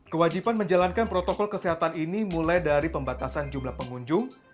kewajiban menjalankan protokol kesehatan ini mulai dari pembatasan jumlah pengunjung